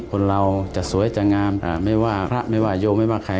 คนเราจะสวยจะงามไม่ว่าพระไม่ว่าโยไม่ว่าใคร